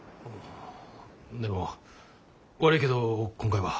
でも悪いけど今回は。